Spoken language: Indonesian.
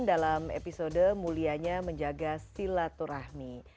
dalam episode mulianya menjaga silaturahmi